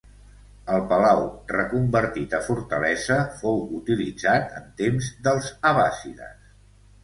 El palau reconvertit a fortalesa fou utilitzat en temps dels abbàssides.